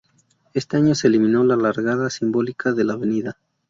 Este año se eliminó la largada simbólica de la Av.